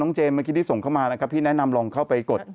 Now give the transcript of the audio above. เจมสเมื่อกี้ที่ส่งเข้ามานะครับพี่แนะนำลองเข้าไปกด